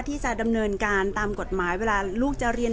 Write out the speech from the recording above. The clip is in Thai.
แต่ว่าสามีด้วยคือเราอยู่บ้านเดิมแต่ว่าสามีด้วยคือเราอยู่บ้านเดิม